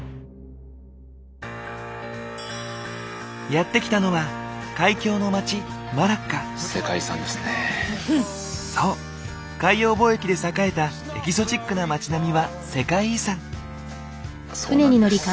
やって来たのは海峡の街そう海洋貿易で栄えたエキゾチックな町並みは世界遺産。